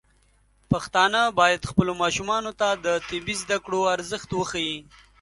پښتانه بايد خپلو ماشومانو ته د طبي زده کړو ارزښت وښيي.